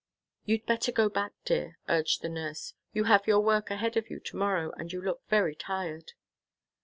"You'd better go back, dear," urged the nurse. "You have your work ahead of you to morrow, and you look very tired."